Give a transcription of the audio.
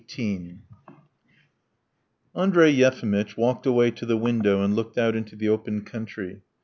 XVIII Andrey Yefimitch walked away to the window and looked out into the open country.